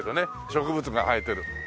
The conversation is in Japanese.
植物が生えてる。